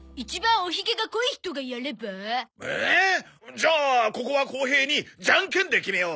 じゃあここは公平にじゃんけんで決めよう。